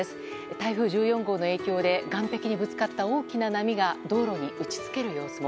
台風１４号の影響で岸壁にぶつかった大きな波が道路に打ち付ける様子も。